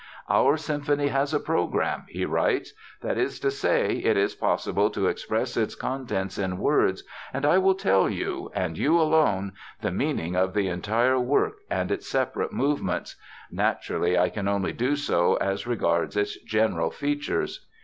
"Our symphony has a program," he writes. "That is to say, it is possible to express its contents in words, and I will tell you—and you alone—the meaning of the entire work and its separate movements. Naturally I can only do so as regards its general features.